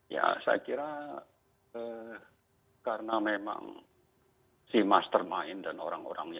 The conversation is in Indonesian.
ya saya kira karena memang si mastermind dan orang orangnya